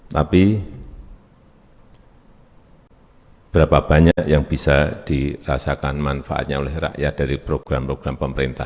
tapi berapa banyak yang bisa dirasakan manfaatnya oleh rakyat dari program program pemerintah